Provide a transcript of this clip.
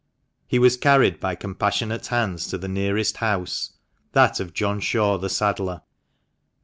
He was carried by compassionate hands to the nearest house, that of John Shaw, the saddler.